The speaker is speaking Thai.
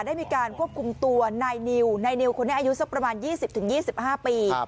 ได้มีการควบคุมตัวนายนิวนายนิวคนนี้อายุสักประมาณ๒๐๒๕ปี